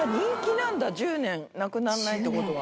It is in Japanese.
１０年なくなんないってことは。